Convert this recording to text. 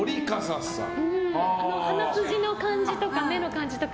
あの鼻筋の感じとか目の感じとか。